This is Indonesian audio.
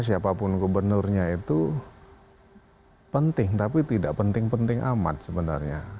siapapun gubernurnya itu penting tapi tidak penting penting amat sebenarnya